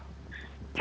siapa calon yang tepat